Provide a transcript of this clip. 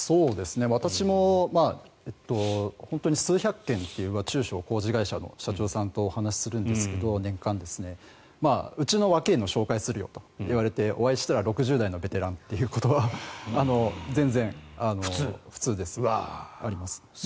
私も本当に数百件という中小工事会社の社長さんとお話しするんですがうちの若いのを紹介するよと言われてお会いしたら６０代のベテランということが全然普通です。あります。